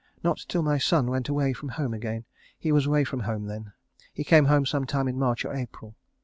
Not till my son went away from home again. He was away from home then. He came home some time in March or April.